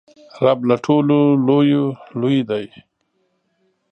رب له ټولو لویو لوی دئ.